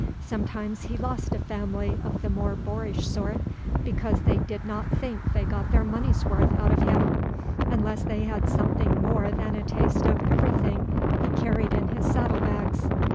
Sometimes he lost a family of the more boorish sort, because they did not think they got their money's worth out of him, unless they had something more than a taste of everything he carried in his saddlebags.